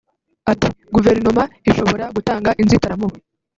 Ati “Guverinoma ishobora gutanga inzitaramubu